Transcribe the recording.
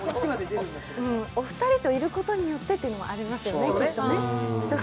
お二人といることによってというのもありますよね。